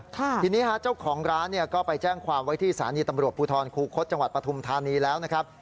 ทีนี้ฮะเจ้าของร้านเนี่ยก็ไปแจ้งความไว้ที่สถานีตำรวจภูทรคูคศจังหวัดปฐุมธานีแล้วนะครับ